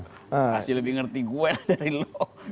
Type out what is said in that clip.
kasih lebih ngerti gue dari lo